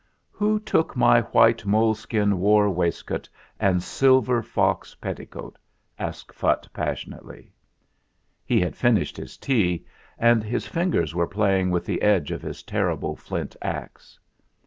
"Who took my white mole skin war waist THE REIGN OF PHUTT 47 coat and silver fox petticoat?" asked Phutt passionately. He had finished his tea, and his fingers were playing with the edge of his terrible flint axe.